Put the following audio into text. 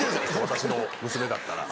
私の娘だったら。